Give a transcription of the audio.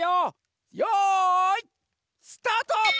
よいスタート！